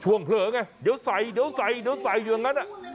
ช่วงเผลอไงเดี๋ยวใส่อยู่อันนั้น